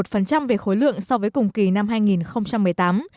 tăng năm một về khối lượng so với cùng kỳ năm hai nghìn một mươi tám